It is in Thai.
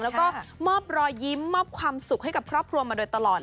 แล้วก็มอบรอยยิ้มมอบความสุขให้กับครอบครัวมาโดยตลอด